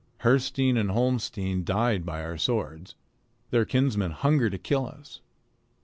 Herstein and Holmstein died by our swords. Their kinsmen hunger to kill us.